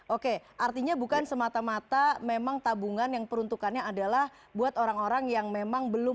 oke artinya bukan semata mata memang tabungan yang peruntukannya adalah buat orang orang yang memang belum